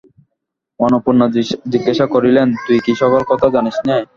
অন্নপূর্ণা জিজ্ঞাসা করিলেন, তুই কি সকল কথা জানিস নে।